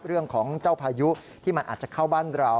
เรื่องของเจ้าพายุที่มันอาจจะเข้าบ้านเรา